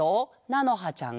なのはちゃん。